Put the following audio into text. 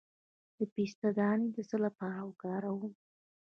د پسته دانه د څه لپاره وکاروم؟